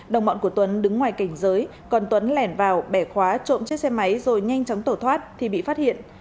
đồng bọn của tuấn đứng ngoài cảnh giới còn tuấn lẻn vào bẻ khóa trộm chiếc xe máy rồi nhanh chóng tổ thoát thì bị phát hiện